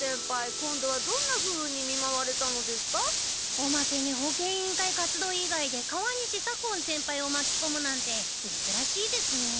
おまけに保健委員会活動いがいで川西左近先輩をまきこむなんてめずらしいですね。